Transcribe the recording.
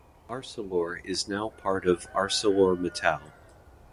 Arcelor is now part of ArcelorMittal.